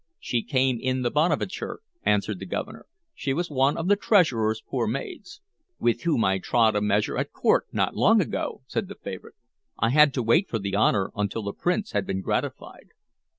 "She came in the Bonaventure," answered the Governor. "She was one of the treasurer's poor maids." "With whom I trod a measure at court not long ago," said the favorite. "I had to wait for the honor until the prince had been gratified."